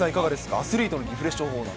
アスリートのリフレッシュ方法など。